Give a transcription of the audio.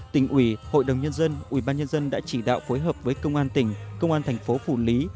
tỉnh ủy hội đồng nhân dân ủy ban nhân dân đã chỉ đạo phối hợp với công an tỉnh công an thành phố phủ lý